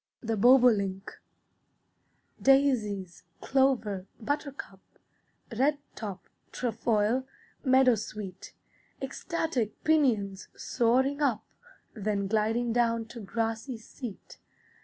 THE BOBOLINK Daisies, clover, buttercup, Redtop, trefoil, meadowsweet, Ecstatic pinions, soaring up, Then gliding down to grassy seat.